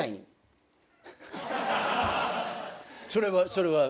それは？